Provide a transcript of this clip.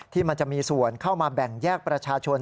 ที่มันจะมีส่วนเข้ามาแบ่งแยกประชาชน